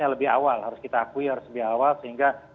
lebih awal harus kita akui harus lebih awal sehingga